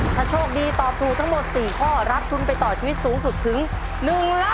ถ้าโชคดีตอบถูกทั้งหมด๔ข้อรับทุนไปต่อชีวิตสูงสุดถึง๑ล้าน